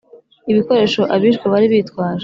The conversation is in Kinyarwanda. Ibikoresho abishwe bari bitwaje